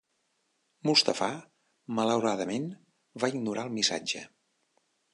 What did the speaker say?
Mustafà malauradament va ignorar el missatge.